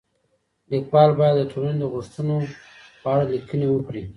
ليکوال بايد د ټولني د غوښتنو په اړه ليکنې وکړي.